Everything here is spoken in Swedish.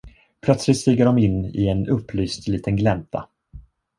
Plötsligt stiger dom in i en upplyst liten glänta.